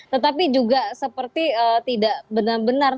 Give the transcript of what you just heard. tetapi juga seperti tidak benar benar